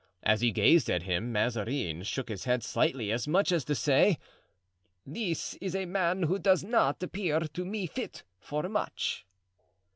As he gazed at him Mazarin shook his head slightly, as much as to say, "This is a man who does not appear to me fit for much."